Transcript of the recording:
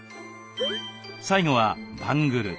最後はバングル。